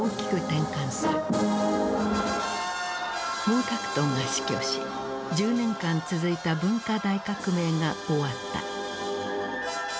毛沢東が死去し１０年間続いた文化大革命が終わった。